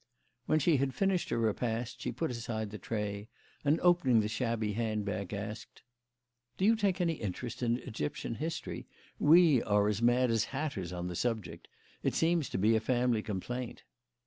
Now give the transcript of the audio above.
When she had finished her repast she put aside the tray and, opening the shabby handbag, asked: "Do you take any interest in Egyptian history? We are as mad as hatters on the subject. It seems to be a family complaint."